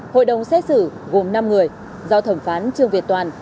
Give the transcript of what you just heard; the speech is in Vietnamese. hội đồng xét xử gồm năm người do thẩm phán trương việt toàn